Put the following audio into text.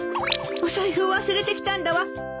お財布を忘れてきたんだわ。